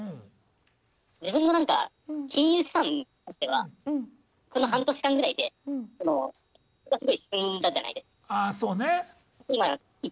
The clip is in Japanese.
自分のなんか金融資産としてはこの半年間ぐらいで円安がすごい進んだじゃないですか。